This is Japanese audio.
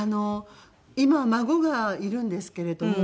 今孫がいるんですけれども。